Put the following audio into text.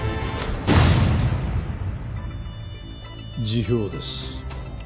辞表です。